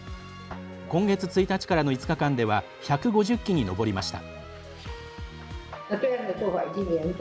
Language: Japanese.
今月１日からの５日間では１５０機に上りました。